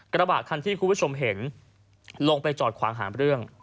กระบะคันที่คุณผู้ชมเห็นลงไปจอดขวางหามเรื่อง